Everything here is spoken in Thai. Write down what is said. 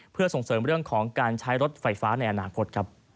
เพื่อส่งเสริมเรื่องของการใช้รถไฟฟ้าในอนาคต